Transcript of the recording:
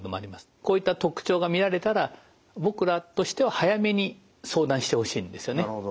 こういった特徴が見られたら僕らとしては早めに相談してほしいんですよね。